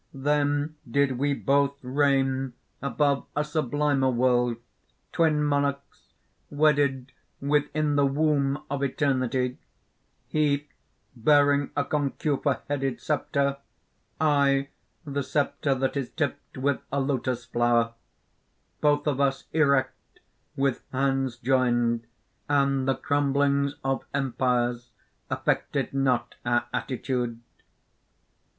"Then did we both reign above a sublimer world, twin monarchs, wedded within, the womb of eternity he bearing a concupha headed sceptre; I, the sceptre that is tipped with a lotus flower; both of us erect with hands joined; and the crumblings of empires affected not our attitude.